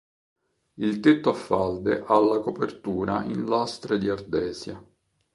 Il tetto a falde ha la copertura in lastre di ardesia.